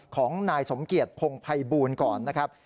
ของนายสมเกียจพงภัยบูลก่อนนะครับ